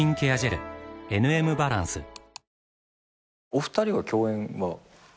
お二人は共演は？